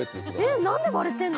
何で割れてんの？